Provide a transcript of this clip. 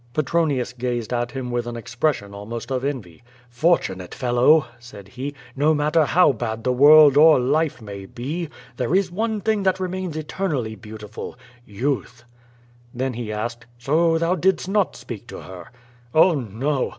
'* Petronius gazed at him with an expression almost of envy: 'Tortunate fellow!" said he, "no matter how bad the world or life may be, there is one tiling that remains eternally beautiful — ^youth.'* Then he asked: ^So thou didst not speak to her?" 'Oh, no!